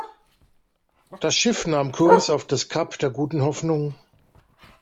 Das Schiff nahm Kurs auf das Kap der Guten Hoffnung.